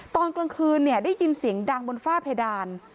ตอนกลางคืนได้ยินเสียงดังบนฝ้าเพดาน